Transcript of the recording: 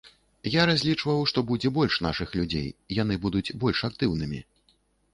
Я разлічваў, што будзе больш нашых людзей, яны будуць больш актыўнымі.